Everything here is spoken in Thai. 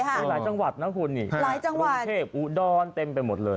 หลายจังหวัดนะคุณหลวงเทพอุดอนเต็มไปหมดเลย